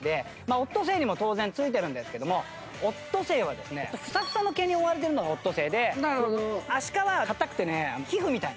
オットセイにも当然付いてるんですけどもオットセイはですねふさふさの毛に覆われてるのがオットセイでアシカは硬くてね皮膚みたいな。